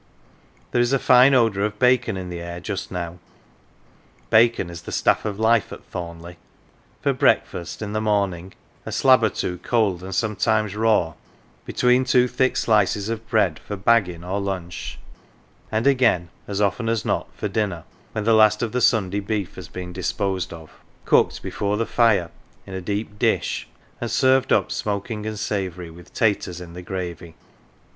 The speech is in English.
"" There is a fine odour of bacon in the air just now bacon is the staff of life at Thornleigh for breakfast in the morning, a slab or two cold, and sometimes raw, between two thick slices of bread for " baggin" 1 " or lunch, and again, as often as not, for dinner (when the last of the Sunday beef has been disposed of) cooked before the fire, in a deep dish, and served up smoking and savoury with " taters " in the gravy.